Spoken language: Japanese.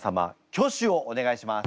挙手をお願いします。